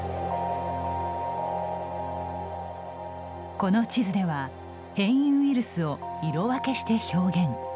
この地図では変異ウイルスを色分けして表現。